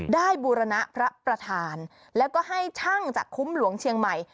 บูรณะพระประธานแล้วก็ให้ช่างจากคุ้มหลวงเชียงใหม่